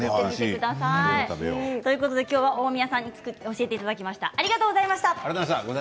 今日は大宮さんに教えていただきました。